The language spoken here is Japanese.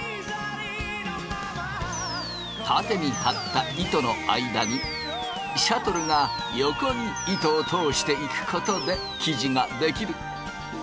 縦に張った糸の間にシャトルが横に糸を通していくことで生地が出来る。